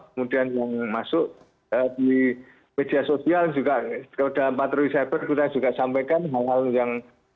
kemudian yang masuk di media sosial juga dalam patroli cyber kita juga sampaikan